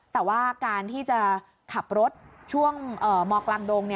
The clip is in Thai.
แต่ว่าการที่จะขับรถช่วงมกลางดง